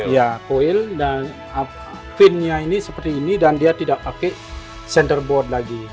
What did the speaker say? ya poil dan pinnya ini seperti ini dan dia tidak pakai centerboard lagi